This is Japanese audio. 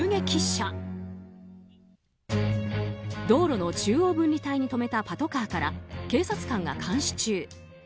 道路の中央分離帯に止めたパトカーから警察官が監視中。